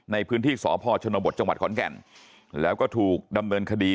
ในพื้นที่สพชบจขแก่นแล้วก็ถูกดำเนินคดี